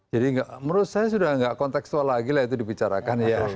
jadi menurut saya sudah tidak konteksual lagi lah itu dibicarakan